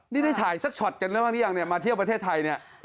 นี่ได้ถ่ายสักช็อตกันได้บ้างหรือยังเนี่ยมาเที่ยวประเทศไทยเนี่ย